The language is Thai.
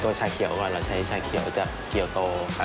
ตัวชาเขียวก่อนเราใช้ชาเขียวจากเกี่ยวโต